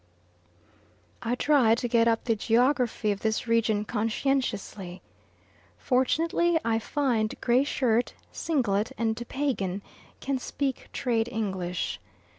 I try to get up the geography of this region conscientiously. Fortunately I find Gray Shirt, Singlet, and Pagan can speak trade English.